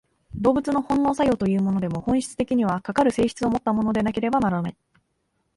動物の本能作用というものでも、本質的には、かかる性質をもったものでなければならない。